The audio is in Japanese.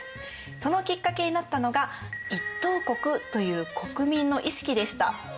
そのきっかけになったのが「一等国」という国民の意識でした。